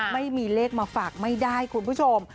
ไม่มีเลขมาฝากไม่ได้คุณผู้ชม